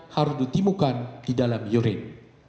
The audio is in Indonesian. harus ditemukan di dalam yurin